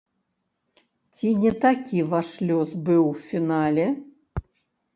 Ці не такі ваш лёс быў у фінале?